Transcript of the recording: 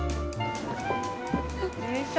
よいしょ。